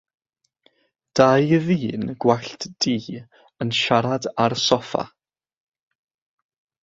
Dau ddyn gwallt du yn siarad ar soffa.